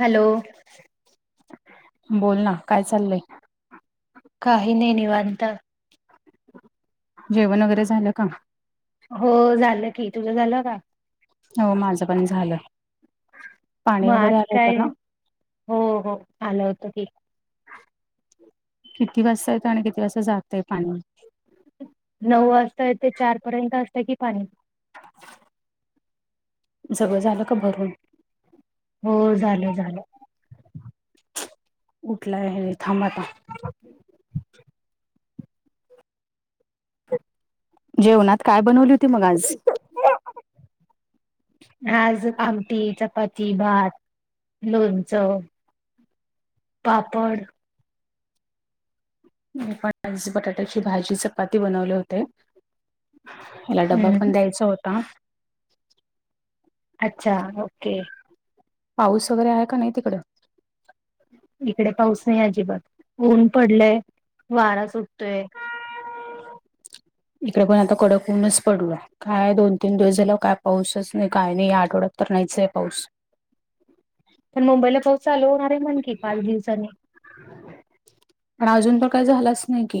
Hello. बोल ना काय चाललय. काही नाही निवांत. जेवण वगैरे झालं का? हो झालं की तुझं झालं का? हो माझं पण झालं. पाणी मग वगैरे आज आलं काय होतं ना हो हो आलं होतं ठीक. किती वाजता येतो आणि किती वाजता जातय पाणी नऊ वाजताय ते चार पर्यंत असत की पाणी जगळं झालं का भरून हो झाले झाले. उठलाय हे र थांबाता. जेवणात काय बनवली होती मग आज आज आमटी चपाती भात लोणचं. पापड मी पणजी बटाट्याची भाजी चपाती बनवले होते. त्याला डबा हम्म पण द्यायचा होता. अच्छा ओके. पाऊस वगैरे आहे का नाही तिकडे इकडे पाऊस नाही अजिबात ऊन पडलय वारा सुटतोय. इकडे पण आता कडकवूनच पडल. काय दोन तीन दिवस झाला काय पाऊसच नाही काय नाही आठवड्यात तर नाहीच आहे पाऊस पण मुंबईला पाऊस चालू होणार आहे म्हण की पाच दिवसांनी [unintelligible] पण अजून पण काही झालाच नाही की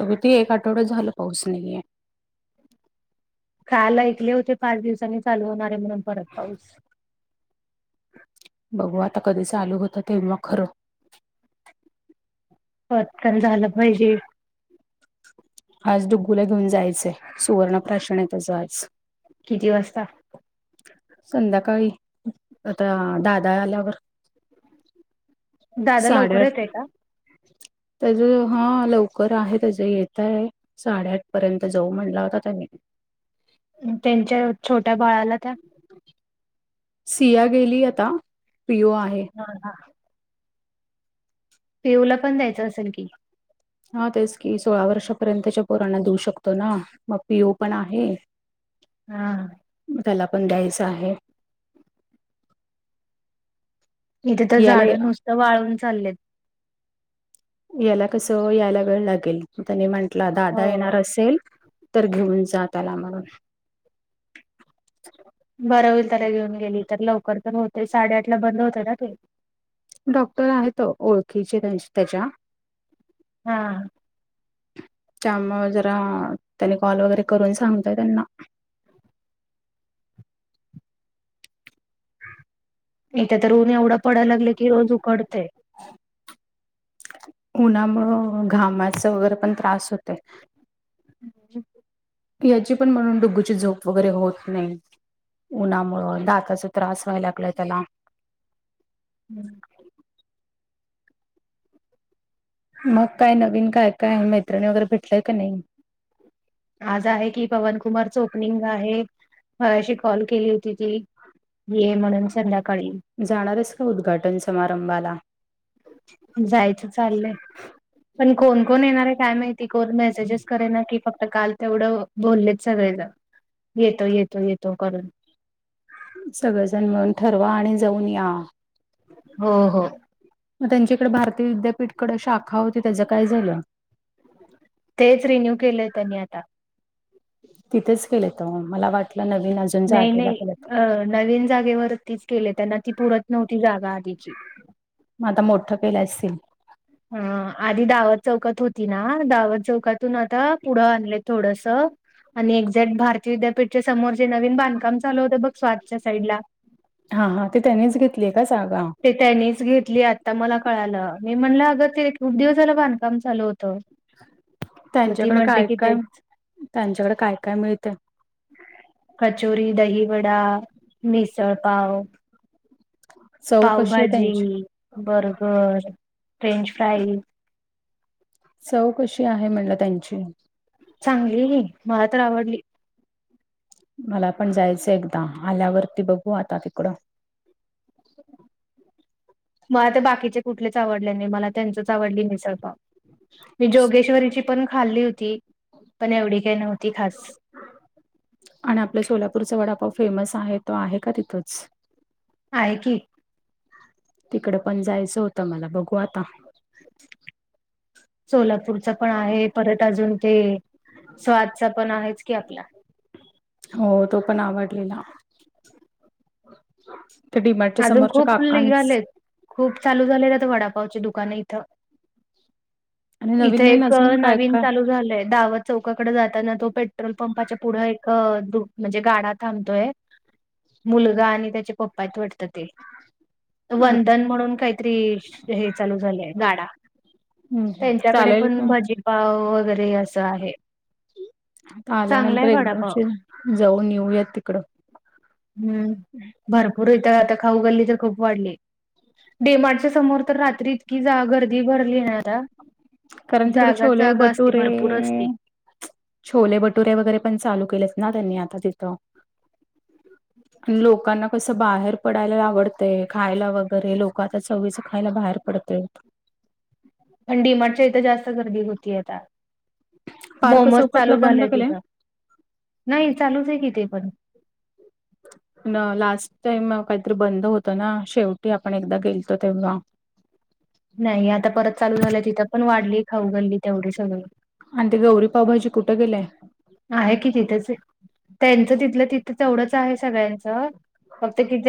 कती एक आठवडा झालं पाहच नाही. काल ऐकले होते पाच दिवसांनी चालू होणारे म्हणून परत पाऊस बघू आता कधी चालू होतं तेव्हा खरं. पल झालं पाहिजे. आज डगूला घेऊन जायचंय सुवर्णप्राशन आहे तचं आज किती वाजता. संध्याकाळी आता दादा आल्यावर दादा साडे लवकर आठ. येतोय [unintelligible] त्याच हा लवकर आहे त्याच येत आहे. साडेआठ पर्यंत जाऊ म्हटला होता त्यानी त्यांच्या छोट्या बाळाला त्या सिया गेली आता प्रिओ आहे. हा हा. पिऊला पण द्यायचं असेल की हा तेच की सोळा वर्षापर्यंतच्या पोरांना देऊ शकतो ना मग पी ओ पण आहे. हा. त्याला पण द्यायचं आहे. इथे तर याला झाडं नुसत वाळून चाललेत. याला कसं यायला वेळ लागेल त्यांनी म्हंटलं हो दादा येणार असेल. तर घेऊन जात आला म्हणून बरं होईल तर घेऊन गेली तर लवकर तर होते साडेआठ ला बंद होत ना त. डॉक्टर आहेत ओळखीचे त्याच्या हां. त्या जरा त्याने कॉल वगैरे करून सांगतय त्यांना नाहीथ तरऊन एवढं पडाय लागले की रोज उकडते. उन्हामुं घामाचं वगैरे पण त्रास होते. ह [unintelligible] याची पण म्हणून डुगूची झोप वगैरे होत नाही. उन्हामुळं दाताचा त्रास व्हायला लागलाय त्याला हम्म. मग काय नवीन काय काय मैत्रिणी वगैरे भेटलंय का नाही. आज आहे की पवन कुमार च ओपनिंग आहे म्याशी कॉल केली होती ती. ये म्हणून संध्याकाळी. जाणारस का उद्घाटन समारंभाला. जायचं चाललंय पण कोण कोण येणार आहे काय माहिती कोण मेसेजेस करेना की फक्त. काल तेवढं बोललेत सगळे ज येतो येतो येतो करून. सगळेजण म्हणून ठरवा आणि जाऊन या. हो हो. मग त्यांच्या इकडे भारतीय विद्यापीठकडे अ शाखा होती त्याचं काय झालं. तेच रिन्यू केलंय त्यांनी आता तिथेच केले तर म मला वाट. नाही नाही अ नवीन जागेवर तीच केले त्यांना ती पुरत नव्हती जागा आधीची. मग आता मोठं केला असतील. हा. आधी दावत चौकात होती ना दावत चौकातून आता पुढं आणले थोडस. आणि एक्झॅक्ट भारतीय विद्यापीठच्या समोर जे नवीन बांधकाम चालू होतं बग स्वतःच्या साईड ला. हा हा ते त्यानीच घेतलीय का जागा. ते त्यांनीच घेतली आता मला कळालं मी म्हणलं अगं तेू दिवसालं बांधकाम चालू होत. मग ती त्यांच्याकडे म्हटले काय की काय तेच. त्यांच्याकडे काय काय मिळते. कचोरी दही वडा मिसळपाव. चव कशी आहे पावभाजी त्यांची बर्गर फ्रेंच फ्राई.. चव कशी आहे म्हणलं त्यांची. चांगली मला तर आवडली. मला पण जायचं एकदा आल्यावरती बघू आता तिकडं. मला तर बाकीचे कुठलेच आवडले नाही मला त्यांचीच आवडली मिसळपाव मी जोगेश्वरीची पण खाल्ली होती पण एवढी काही नव्हती खास. आणि आपलं सोलापूरचा वडापाव फेमस आहे तो आहे का तिथंच. आहे की तिकडे पण जायचं होतं मला बघू आता सोलापूरचा पण आहे परत अजून ते स्वादचा पण आहेच की आपला हो तो पण आवडलेला [inaudible] तर डडीमारडच्या अजून समोरच्या खूप काकांच निघालेत. खूप चालू झालेलंत वडापावचे दुकानं इथं. आणि नवीन इथे नवीन एक अजून काय नवीन काय चालू झालय दवत. चौकाकडे जाताना तो पेट्रोल पंपाच्या पुढे एक म्हणजे गाडा थांबतोय. मुलगा आणि त्याच्या पप्पात वटत.. वंदन म्हणून काहीतरी हे चालू झालंय गाडा. हम्म त्यांच्याकडे चालेल का पण भजीपाव वगैरे असं आहे. आता चांगला आल्यानंतर आहे वडापाव. एकदाशी जाऊन येऊयात तिकडं हम्म हम् भरपूर होत आता खाऊ गल्ली तर खूप वाढली डेमाडच्या समोर तर रात्री इतकी जा गर्दी भरली आहेता कारण तिकडे छोले बटुरे भरपूर असती. छोले बटुरे वगैरे पण चालू केलेत ना त्यांनी आता तिथं आणि लोकांना कसं बाहेर पडायला आवडतंय खायला वगैरे लोक आता चवीचं खायला बाहेर पडतय थंडी मच्या इथं जास्त गर्दी होती आता पार्क मोमज चालू चौकातला बंद झालंय केलंय. तिथं नाही चालूच आहे किथे पण [inaudible] न लास्ट टाईम काहीतरी बंद होतं ना शेवटी आपण एकदा गेलतो तेव्हा नाही आता परत चालू झालंय तिथं पण वाढली खाऊ घल्ली तेवढी सगळं आणि ते गौरीपावभाजी कुठं गेलंय आहे की तिथेच त्यांचं तिथलं तिथं तेवढंच आहे सगळ्यांचं फक्त किथ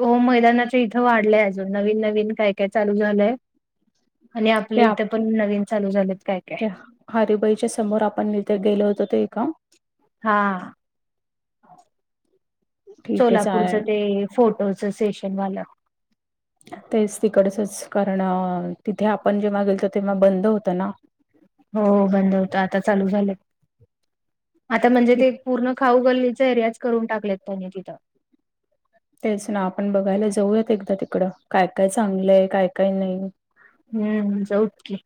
हो मैदानाच्या इथं वाढलंय अजून नवीन नवीन काय काय चालू झालंय आणि ते आपले इथं आपल्या पण नवीन चालू झालेत काय काय हरबाईच्या समोर आपणथ गेलो होतो तेो ए का हा ह सोलापूरचं ते फोटोच सेशन वालं तेच तिकडचच कारण तिथे आपण जेव्हा गेलतो तेव्हा बंद होतं ना हो बंद होत आता चालू झालं आता म्हणजे ते पूर्ण खाऊ गली एरियाच करून टाकलेत त्यांनी तिथं तेच ना आपण बघायला जाऊयात एकदा तिकड काय काय चांगलंय काय काय नाही हम्म जाऊत की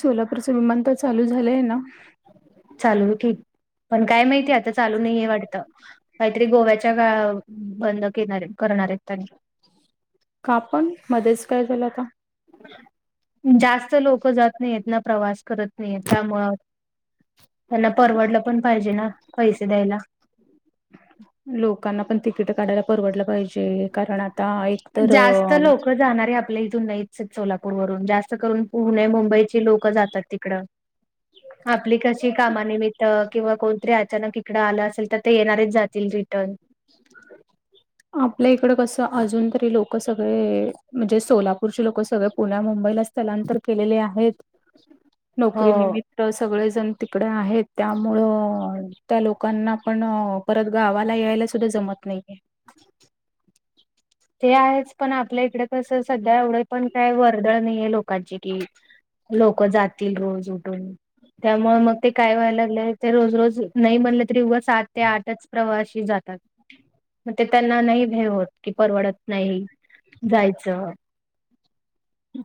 सोलापूरचं विमानत चालू झालंय ना चालूठी पण काय माहितीय आता चालू नाहीे वाटत काहीतरी गोव्याच्याळ बंद केणार करणार आहेत त्यांनी का पण मध्येच काय झालं आता जास्त लोक जात नाहीेत ना प्रवास करत नाहीय त्यामु त्यांना परवडलं पण पाहिजे ना पैसे द्यायला. लोकांना पण तिकिट काढायला परवडलं पाहिजे कारण आता एक तर जास्त लोक जाणार आहे आपल्या इथून नाही सोलापूर वून जास्त करून पुणे मुंबईची लोकल जातात तिकडं आपली कशी कामानिमित्त मी ब्रिटन किंवा कोणतरी अचानक इकड आलं असेल तर ते येणारेच जातील रिटर्न. [inaudible] आपल्या इकड कसं अजून तरी लोक सगळे म्हणजे सोलापूरचे लोक सगळे पुण्या मुंबईला. स्थलांतर केलेले आहेत हम् नोकरी निमित्त सगळेजण तिकडे आहेत त्यामुळं त्या लोकांना पण परत गावाला यायलाच तुधा जमत नाहीये [inaudible] ते आहेच पण आपल्या इकडे कसं सध्या एवढे पण काय वर्दळ नाही आहे लोकांची कि लोक जातील रोज उठून त्यामुळे मग ते काय व्हायला लागले ते रोज रोज नाही बनले तरी उभं सात ते आठच प्रवासी जातात [inaudible] [inaudible] ते त्यांना नाही भे होत की परवडत नाही जायचं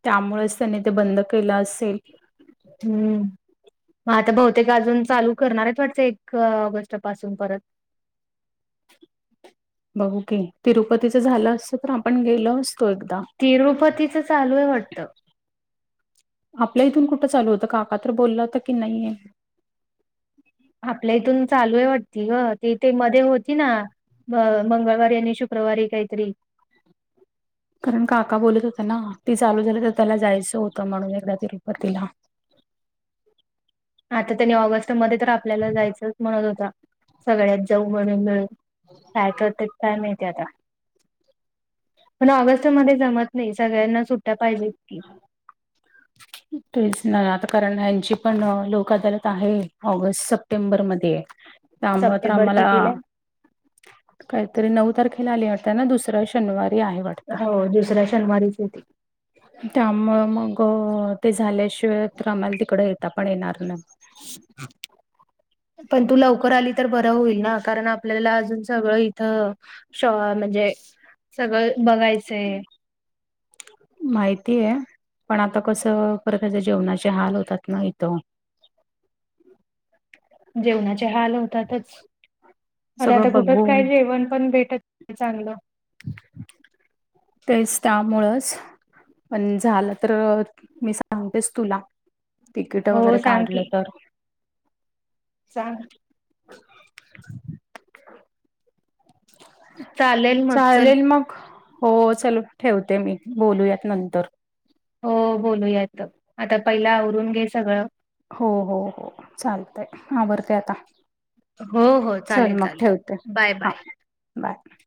त्यामुळेच त्यानी ते बंद केलं असेल हम्म मग आता बहुतेक अजून चालू करणारच वाटतं एक ऑगस्ट पासून परत बघू की तिरुपतीच झालं असत तर आपण गेलो असतो एकदा. तिरुपतीचं चालू आहे वाटतं आपल्या इथून कुठं चालू होतं काका तर बोलला होत की नाहीे आपल्या इथून चालू आहे वाटती ग ती ते मध्ये होती ना. म मंगळवारी आणि शुक्रवारी काहीतरी. कारण काका बोलत होता ना ती चालू झाली तर त्याला जायचं होतं म्हणून एकदा तिरुपतीिला. आता त्यांनी ऑगस्ट मध्ये तर आपल्याला जायचंच म्हणत होता. सगळ्यात जाऊ म्हणून मिळून काय करते टयम येत आता. पण ऑगस्ट मध्ये जमत नाही सगळ्यांना सुट्या पाहिजे की. तेच ना आता कारण यांची पण लोक अदालत आहे ऑगस्ट स. सप्टेंबरमध्येध्ये त्यामु तर सप्टेंबर आम्हाला कितीला आहे? काहीतरी नऊ तारखेला आली वाटतं ना दुसरा शनिवारी आहे वाटत हो दुसऱ्या शनवारीच येते. त्यामु मग ते झाल्याशिवाय तर आम्हाला तिकड येता पण येणार नाही. हा पण तू लवकर आली तर बरं होईल ना कारण आपल्याला अजून सगळं इथं. शॉ म्हणजे सगळं बघायचंय. माहिती आहे पण आता कसं ख त्याच्या जेवणाचे हाल होतात ना इथं. जेवणाचे हाल होतातच आणि आता सगळं कुठेच बघून काय जेवण पण भेटत नाही चांगलं [inaudible] [inaudible] [inaudible] [inaudible] [inaudible] [inaudible] [inaudible] [inaudible] [inaudible] [inaudible] [inaudible] [inaudible] तेस्तामुळच पण झालं तर मी सांगतेच तुला तिकीट हो वगैरे सांग काढलं तर सां चालेल मग चल चालेल मग हो चल ठेवते मी बोलूयात नंतर हो बोलूयात आता पहिला आवरून घे सगळं हो हो हो चालतय आवडतेय आता हो हो चल चालेल मग ठेवते चालेल बाय बाय. हा बाय